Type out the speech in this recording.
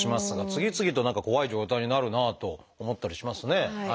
次々と何か怖い状態になるなあと思ったりしますね。